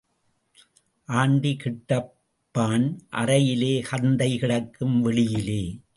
Aunty கிடப்பான் அறையிலே கந்தை கிடக்கும் வெளியிலே.